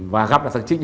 và gặp là thằng trinh